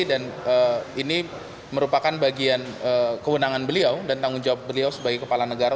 dan ini merupakan bagian kewenangan beliau dan tanggung jawab beliau sebagai kepala negara